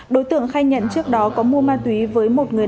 đối tượng khai nhận trước đó có mua ma túy với một người